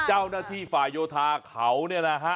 เจ้าหน้าที่ฝ่ายโยธาเขาเนี่ยนะฮะ